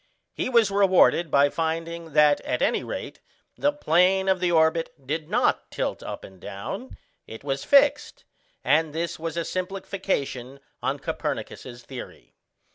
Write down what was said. He was rewarded by finding that at any rate the plane of the orbit did not tilt up and down: it was fixed, and this was a simplification on Copernicus's theory.